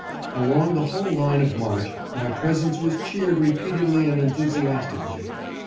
Along the whole line of march my presence was cheered repeatedly and enthusiastically.